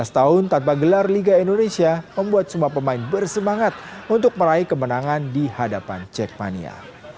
dua belas tahun tanpa gelar liga indonesia membuat semua pemain bersemangat untuk meraih kemenangan di hadapan jackmania